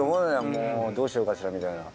もうどうしようかしらみたいな。